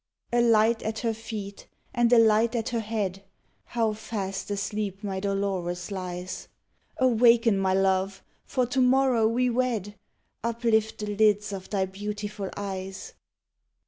A light at her feet and a light at her head, How fast asleep my Dolores lies! Awaken, my love, for to morrow we wed Uplift the lids of thy beautiful eyes.